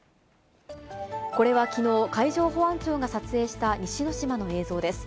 これはきのう、海上保安庁が撮影した西之島の映像です。